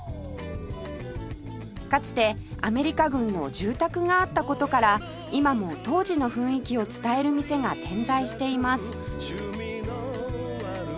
かつてアメリカ軍の住宅があった事から今も当時の雰囲気を伝える店が点在しています